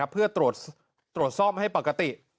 เพื่อตรวจซ่อมให้ปกติ